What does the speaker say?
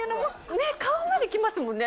ねっ顔まで来ますもんね。